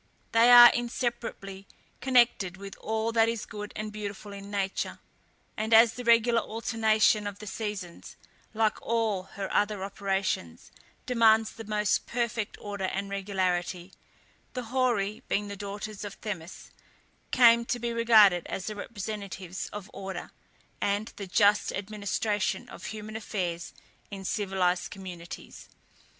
They are inseparably connected with all that is good and beautiful in nature, and as the regular alternation of the seasons, like all her other operations, demands the most perfect order and regularity, the Horæ, being the daughters of Themis, came to be regarded as the representatives of order, and the just administration of human affairs in civilized communities.